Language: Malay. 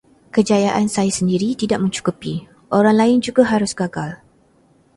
Kejayaan saya sendiri tidak mencukupi, orang lain juga harus gagal.